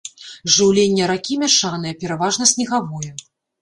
Жыўленне ракі мяшанае, пераважна снегавое.